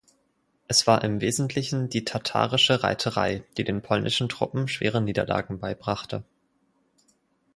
Es war im Wesentlichen die tatarische Reiterei, die den polnischen Truppen schwere Niederlagen beibrachte.